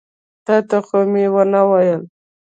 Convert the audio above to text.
تا ته خو مې ونه ویل.